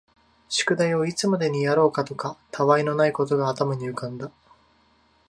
宿題をいつまでにやろうかとか、他愛のないことが頭に浮んだ